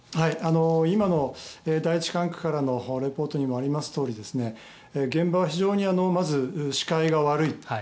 今の第一管区からのリポートにもありますように現場は非常にまず視界が悪い。